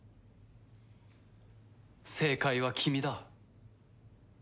正解は君だ。